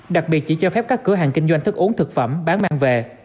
đặc biệt chỉ cho phép các cửa hàng kinh doanh thức uống thực phẩm bán mang về